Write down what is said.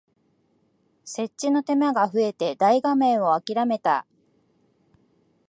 設置の手間が増えて大画面をあきらめた